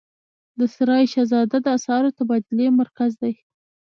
د سرای شهزاده د اسعارو تبادلې مرکز دی